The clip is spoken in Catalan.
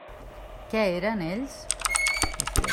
Què eren ells?